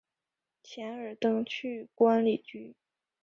钱尔登去官里居。